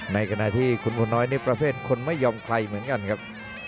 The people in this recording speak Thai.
ในขณะที่คุณพลน้อยในประเภทคนไม่ยอมใครเหมือนกันครับ